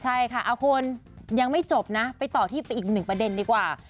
ใช่ค่ะคุณยังไม่จบนะไปต่อที่อีกหนึ่งประเด็นดีกว่า